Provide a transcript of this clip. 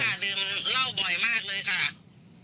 ดื่มเหล้าบ่อยมากเลยค่ะ